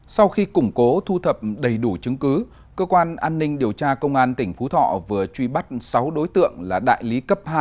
sau khi củng cố thu thập đầy đủ chứng cứ cơ quan an ninh điều tra công an tỉnh phú thọ vừa truy bắt sáu đối tượng là đại lý cấp hai